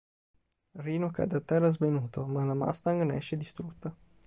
Rhino cade a terra svenuto ma la Mustang ne esce distrutta.